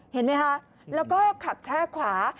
เห็นไหมคะแล้วก็ขับแช่ขวา